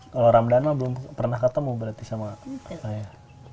kalau ramadhanah belum pernah ketemu berarti sama ayah